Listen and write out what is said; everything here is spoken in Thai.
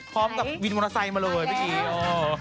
พร้อมกับวินมอเตอร์ไซค์มาเลยเมื่อกี้